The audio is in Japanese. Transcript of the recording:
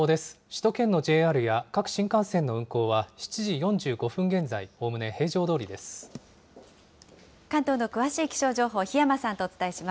首都圏のＪＲや各新幹線の運行は、７時４５分現在、おおむね平常ど関東の詳しい気象情報、檜山